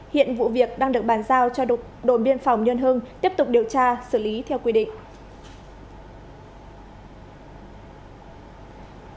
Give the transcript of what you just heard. hiện vụ việc đang được bàn giao cho đồn biên phòng nhân hưng tiếp tục điều tra xử lý theo quy định